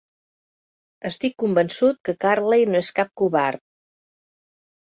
Estic convençut que Carley no és cap covard.